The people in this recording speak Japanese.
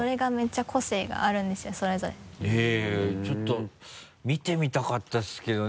へぇちょっと見てみたかったですけどね。